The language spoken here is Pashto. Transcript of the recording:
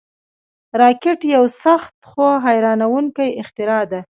راکټ یو سخت، خو حیرانوونکی اختراع ده